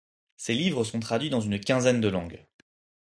Ses livres sont traduits dans une quinzaine de langues.